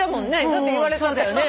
だって言われたんだよね。